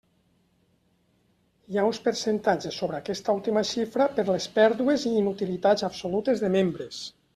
Hi ha uns percentatges sobre aquesta última xifra per les pèrdues i inutilitats absolutes de membres.